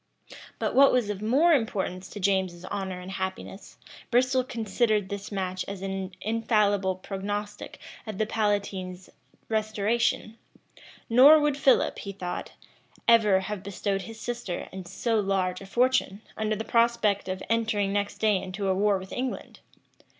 But what was of more importance to James's honor and happiness, Bristol considered this match as an infallible prognostic of the palatine's restoration; nor would Philip, he thought, ever have bestowed his sister and so large a fortune, under the prospect of entering next day into a war with England.